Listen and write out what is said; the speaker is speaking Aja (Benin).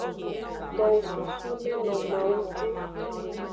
Towo susu neno mawu ji.